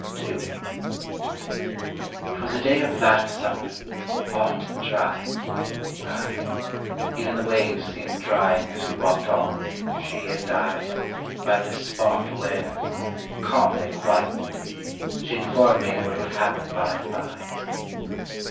II —'Twas a day of latter summer, hot and dry; Ay, even the waves seemed drying as we walked on, she and I, By this spot where, calmly quite, She informed me what would happen by and by.